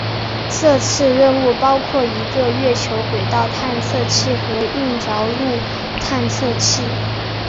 这次任务包括一个月球轨道探测器和硬着陆探测器。